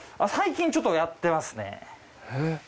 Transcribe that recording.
最近ちょっとやってますね。